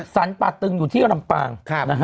สรรป่าตึงอยู่ที่ลำปาง